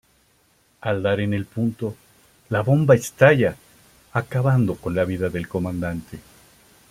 Al dar en el punto la bomba estalla acabando con la vida del comandante.